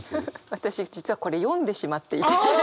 私実はこれ読んでしまっていて。